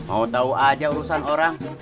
mau tahu aja urusan orang